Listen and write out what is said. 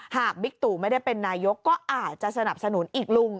บิ๊กตู่ไม่ได้เป็นนายกก็อาจจะสนับสนุนอีกลุง